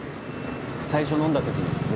最初、飲んだ時。